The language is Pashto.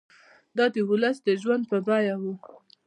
دا د ولس د ژوند په بیه وو.